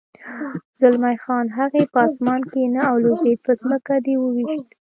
زلمی خان: هغه په اسمان کې نه الوزېد، پر ځمکه دې و وېشت.